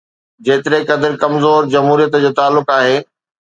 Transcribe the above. جيتري قدر ڪمزور جمهوريت جو تعلق آهي.